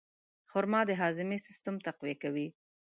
خرما د هاضمې سیستم تقویه کوي.